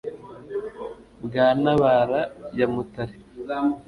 Bwa Ntabara ya Mutari.